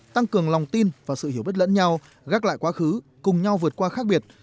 tăng cường lòng tin và sự hiểu biết lẫn nhau gác lại quá khứ cùng nhau vượt qua khác biệt